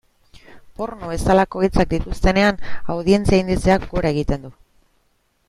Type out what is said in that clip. Porno bezalako hitzak dituztenean, audientzia indizeak gora egiten du.